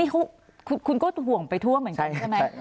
คุณก็ห่วงไปทั่วเหมือนกันใช่ไหม